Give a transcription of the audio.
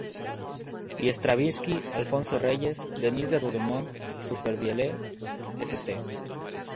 Y Stravinsky, Alfonso Reyes, Denis de Rougemont, Supervielle, St.